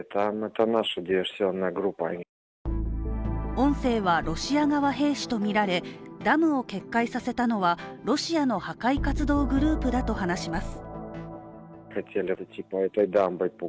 音声はロシア側兵士とみられダムを決壊させたのはロシアの破壊活動グループだと話します。